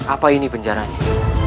apa ini penjaranya